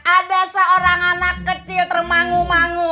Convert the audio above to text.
ada seorang anak kecil termangu mangu